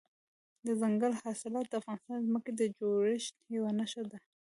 دځنګل حاصلات د افغانستان د ځمکې د جوړښت یوه نښه ده.